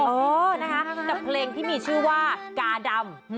เออนะคะกับเพลงที่มีชื่อว่ากาดำ